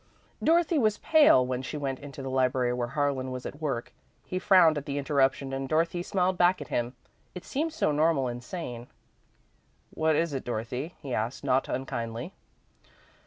Dorothy was pale when she went into the library where Harlan was at work. He frowned at the interruption and Dorothy smiled back at him it seemed so normal and sane. "What is it, Dorothy?" he asked, not unkindly.